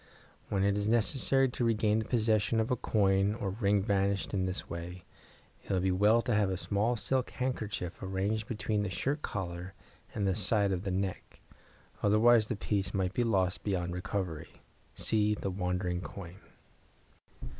When it is necessary to regain possession of a coin or ring vanished in this way, it will be well to have a small silk handkerchief arranged between the shirt collar and the side of the neck, otherwise the piece might be lost beyond recovery. (See "The Wandering Coin".)